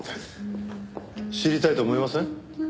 知りたいと思いません？